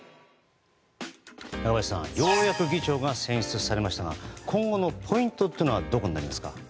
中林さん、ようやく議長が選出されましたが今後のポイントというのはどこになりますか？